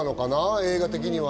映画的には。